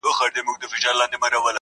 هغه شپه مي د ژوندون وروستی ماښام وای-